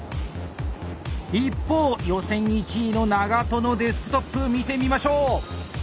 一方予選１位の長渡のデスクトップ見てみましょう！